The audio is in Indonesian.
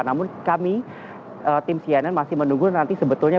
namun kami tim cnn masih menunggu nanti sebetulnya